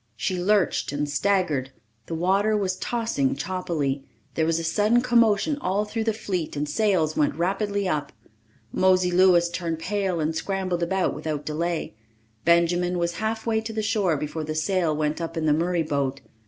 She lurched and staggered. The water was tossing choppily. There was a sudden commotion all through the fleet and sails went rapidly up. Mosey Louis turned pale and scrambled about without delay. Benjamin was halfway to the shore before the sail went up in the Murray boat.